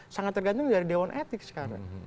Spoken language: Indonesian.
sangat tergantung dari dewan etik sekarang